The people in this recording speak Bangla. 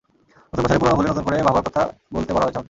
নতুন বছরে পুরোনো ভুলে নতুন করে ভাবার কথা বলতে বলা হয়েছে আমাকে।